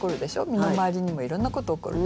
身の回りにもいろんなこと起こるでしょ。